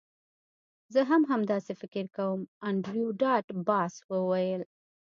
زه هم همداسې فکر کوم انډریو ډاټ باس وویل